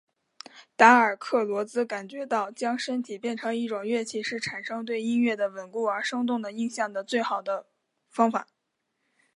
达尔克罗兹感觉到将身体变成一种乐器是产生对音乐的稳固而生动的印象的最好的方法。